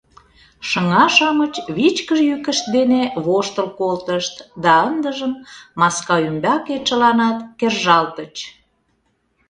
Шыҥа-шамыч вичкыж йӱкышт дене воштыл колтышт да ындыжым маска ӱмбаке чыланат кержалтыч.